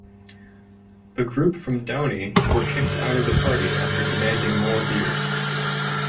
The group from Downey were kicked out of the party after demanding more beer.